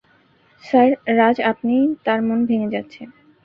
Sir Raj আপনিই, তাঁর মন ভেঙে যাচ্ছে।